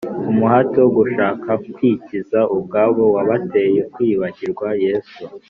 umuhati wo gushaka kwikiza ubwabo wabateye kwibagirwa yesu;